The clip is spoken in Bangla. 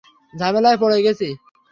ঝামেলায় পড়ে গেছি!